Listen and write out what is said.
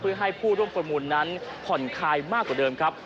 เพื่อให้ผู้ร่วมประมูลนั้นผ่อนคลายมากกว่าเดิมครับ